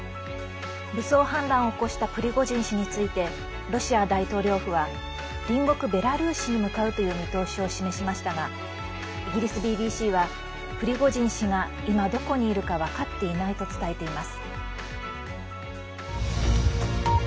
武装反乱を起こしたプリゴジン氏についてロシア大統領府は隣国ベラルーシに向かうという見通しを示しましたがイギリスＢＢＣはプリゴジン氏が今どこにいるか分かっていないと伝えています。